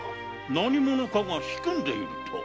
何者かが仕組んでいると？